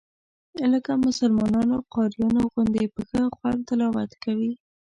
لکه مسلمانانو قاریانو غوندې په ښه خوند تلاوت کوي.